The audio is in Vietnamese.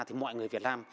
thì mọi người việt nam